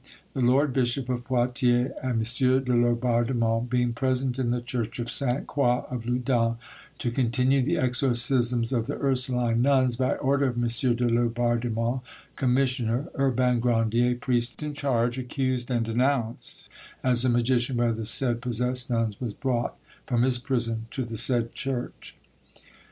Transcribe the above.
the Lord Bishop of Poitiers and M. de Laubardemont being present in the church of Sainte Croix of Loudun, to continue the exorcisms of the Ursuline nuns, by order of M. de Laubardemont, commissioner, Urbain Grandier, priest in charge, accused and denounced as a magician by the said possessed nuns, was brought from his prison to the said church.